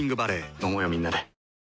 飲もうよみんなで。